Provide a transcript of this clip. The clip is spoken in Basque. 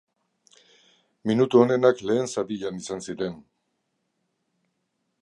Minutu onenak lehen zatian izan ziren.